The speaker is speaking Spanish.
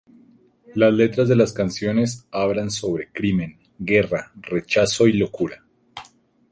Las letras de las canciones hablan sobre crimen, guerra, rechazo y locura.